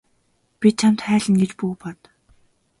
Би чамд хайлна гэж бүү бод.